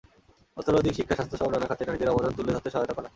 অর্থনৈতিক, শিক্ষা, স্বাস্থ্যসহ নানা খাতে নারীদের অবদান তুলে ধরতে সহায়তা করা।